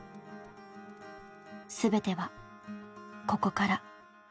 全てはここから。